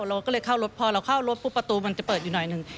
เราก็เลยเข้ารถพอเราเข้ารถปุ๊บประตูมันจะเปิดอยู่หน่อยหนึ่ง